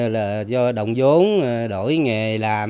là do đồng giống đổi nghề làm